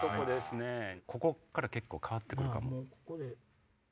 ここから結構変わって来るかも。